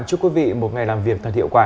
chúc quý vị một ngày làm việc thật hiệu quả